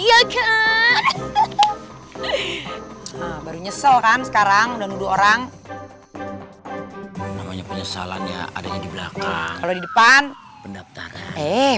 ya kan baru nyesel kan sekarang dan orang namanya penyesalannya adanya di belakang kalau di depan eh